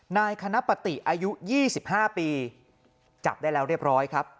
นายคณะปฏิอายุ๒๕ปีจับได้แล้วเรียบร้อยครับ